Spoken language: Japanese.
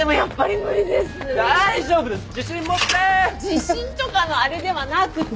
自信とかのあれではなくて。